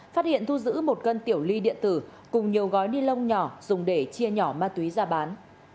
phát hiện thu giữ một cân tiểu ly điện tử cùng nhiều gói ni lông nhỏ dùng để chia nhỏ ma túy ra bán